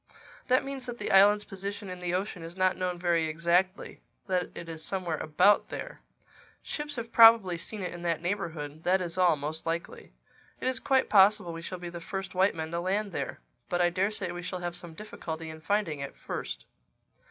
"That means that the island's position in the ocean is not known very exactly—that it is somewhere about there. Ships have probably seen it in that neighborhood, that is all, most likely. It is quite possible we shall be the first white men to land there. But I daresay we shall have some difficulty in finding it first."